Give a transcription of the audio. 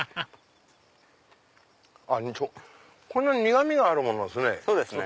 苦味があるものですね。